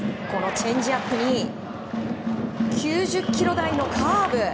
チェンジアップに９０キロ台のカーブ。